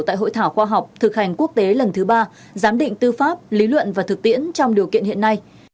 tại hội thảo khoa học thực hành quốc tế lần thứ ba giám định tư pháp lý luận và thực tiễn trong điều kiện hiện nay